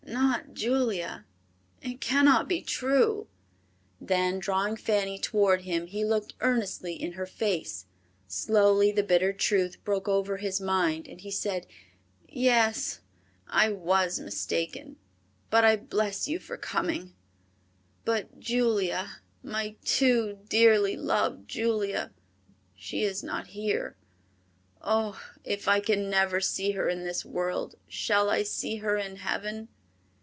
"Not Julia! It cannot be true." Then drawing Fanny toward him he looked earnestly in her face. Slowly the bitter truth broke over his mind, and he said, "Yes, I was mistaken! But I bless you for coming; but Julia, my too dearly loved Julia—she is not here. Oh, if I can never see her in this world, shall I see her in heaven?"